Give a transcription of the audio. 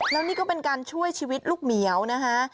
แล้วนี่ก็เป็นการช่วยชีวิตลูกเหมียวนะคะ